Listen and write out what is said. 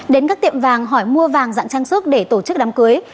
đến các tiệm vàng hỏi mua vàng dạng trang sức để tổ chức đám cưới